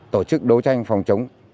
tổ chức đấu tranh phòng chống